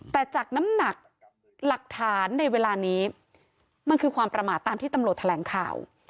แต่จากน้ำหนักหลักฐานในเวลานี้มันคือความประมาทตามที่ตำรวจแถลงข่าว